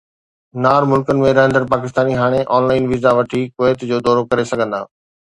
نار ملڪن ۾ رهندڙ پاڪستاني هاڻي آن لائن ويزا وٺي ڪويت جو دورو ڪري سگهندا